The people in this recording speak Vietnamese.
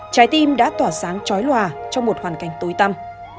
trái tim đã tỏa sáng trói lòa trong một hoàn cảnh tối tăm